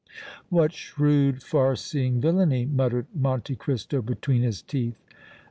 "What shrewd, far seeing villainy!" muttered Monte Cristo, between his teeth.